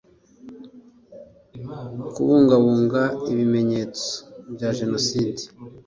kubungabunga ibimenyetso bya jenoside